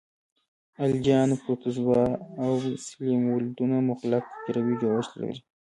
الجیان، پروتوزوا او سلیمولدونه مغلق حجروي جوړښت لري.